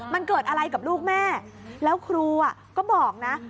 มันเกิดอะไรกับลูกแม่แล้วครูก็บอกนะ